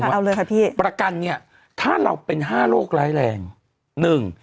ได้ค่ะเอาเลยค่ะพี่ประกันเนี่ยถ้าเราเป็น๕โรคร้ายแรง